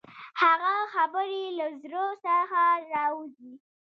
هغه خبرې چې له زړه څخه راوځي.